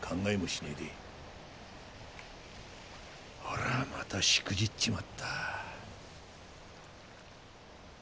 俺はまたしくじっちまった。